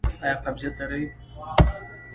ایا قبضیت لرئ؟